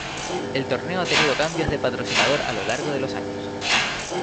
El torneo ha tenido cambios de patrocinador a lo largo de los años.